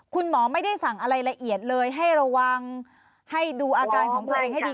คุณหมอไม่ได้สั่งอะไรละเอียดเลยให้ระวังให้ดูอาการของตัวเองให้ดี